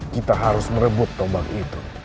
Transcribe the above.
kita harus merebut tombak itu